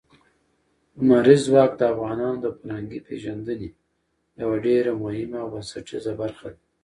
لمریز ځواک د افغانانو د فرهنګي پیژندنې یوه ډېره مهمه او بنسټیزه برخه ده.